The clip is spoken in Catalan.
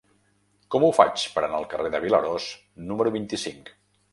Com ho faig per anar al carrer de Vilarós número vint-i-cinc?